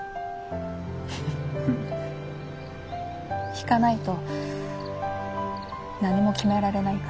弾かないと何も決められないから。